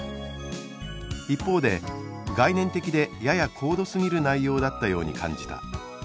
一方で「概念的でやや高度すぎる内容だったように感じた。